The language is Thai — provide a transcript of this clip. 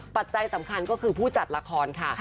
ปัจจัยสำคัญก็คือผู้จัดละครค่ะ